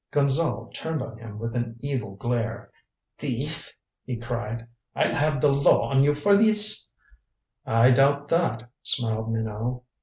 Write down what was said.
Gonzale turned on him with an evil glare. "Thief!" he cried. "I'll have the law on you for this." "I doubt that," smiled Minot.